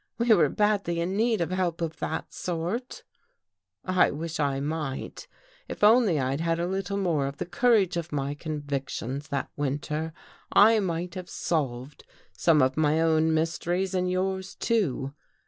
" We were badly in need of help of that sort." " I wish I might. If only I'd had a little more of the courage of my convictions that winter, I might have solved some of my own mysteries and yours, too.